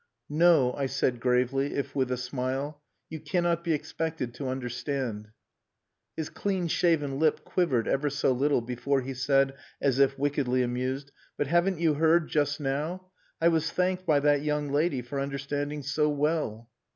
"No," I said gravely, if with a smile, "you cannot be expected to understand." His clean shaven lip quivered ever so little before he said, as if wickedly amused "But haven't you heard just now? I was thanked by that young lady for understanding so well."